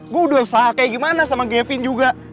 gue udah usaha kayak gimana sama kevin juga